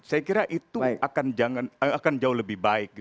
saya kira itu akan jauh lebih baik